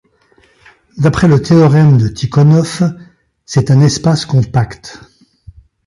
D'après le théorème de Tykhonov, c'est un espace compact.